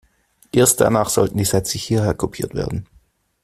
Erst danach sollten die Sätze hierher kopiert werden.